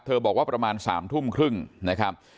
บอกว่าประมาณ๓ทุ่มครึ่งนะครับ